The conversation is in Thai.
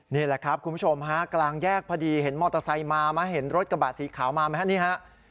นี่แหละครับคุณผู้ชมฮะกลางแยกพอดีเห็นมอเตอร์ไซค์มามาเห็นรถกระบะสีขาวมาไหมฮะนี่ฮะ